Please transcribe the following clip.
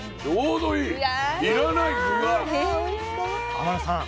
天野さん